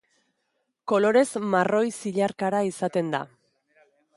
Kolorez marroi zilarkara izaten da.